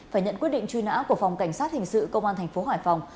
phải nhận quyết định truy nã của phòng cảnh sát hình sự công an thành phố hải phòng